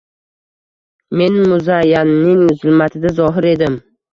Men muzayyanning zulmatida zohir edim.